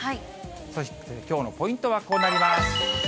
そして、きょうのポイントはこうなります。